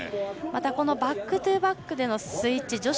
またバックトゥバックでのスイッチ。